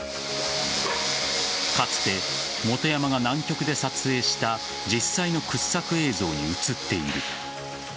かつて本山が南極で撮影した実際の掘削映像に映っている。